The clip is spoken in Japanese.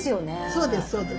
そうですそうです。